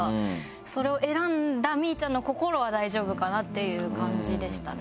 それを選んだみぃちゃんの心は大丈夫かなっていう感じでしたね。